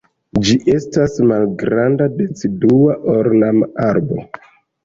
Ĝi estas malgranda, decidua, ornama arbo.